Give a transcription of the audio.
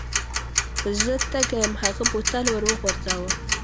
زه تږی یم هغه بوتل ور وغورځاوه.